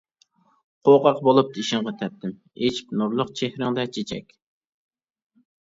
قوقاق بولۇپ تېشىڭغا تەپتىم، ئېچىپ نۇرلۇق چېھرىڭدە چېچەك.